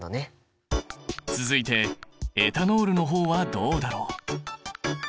続いてエタノールの方はどうだろう？